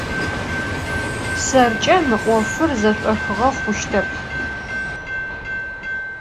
Serç'e mı 'ofır zeş'oxığe xhuştep.